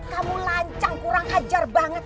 kamu lancang kurang hajar banget